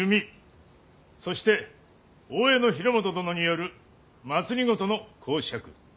そして大江広元殿による政の講釈。